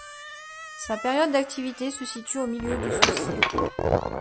Sa période d'activité se situe au milieu de ce siècle.